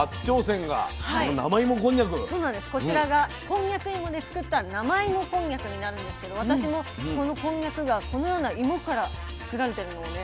こちらがこんにゃく芋で作った生芋こんにゃくになるんですけど私もこのこんにゃくがこのような芋から作られているのをね